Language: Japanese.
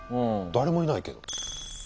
誰もいないけど。